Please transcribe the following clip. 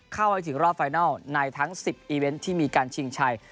เข้าให้ถึงรอบไฟนัลในทั้ง๑๐อีเวนต์ที่มีการชิงชัย